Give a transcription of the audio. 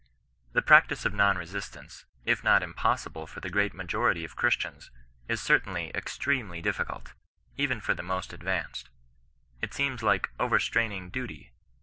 " The practice of non resistance, if not impossible for the great majority of Christians, is certainly extremely difficult, even for the most advanced. It seems like overstraining duty.